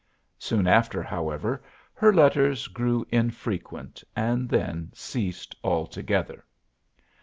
Soon after, however, her letters grew infrequent, and then ceased altogether.